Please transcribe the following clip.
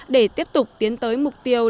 để tiếp tục tiến tới phòng ngừa